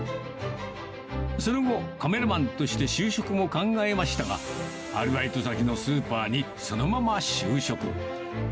その後、カメラマンとして就職も考えましたが、アルバイト先のスーパーにそのまま就職。